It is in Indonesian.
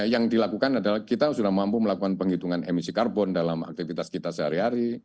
yang dilakukan adalah kita sudah mampu melakukan penghitungan emisi karbon dalam aktivitas kita sehari hari